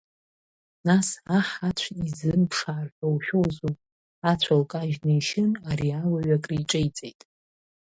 Нас аҳ ацә изымԥшаар ҳәа ушәозу, ацә лкажьны ишьын ари ауаҩ акриҿеиҵеит.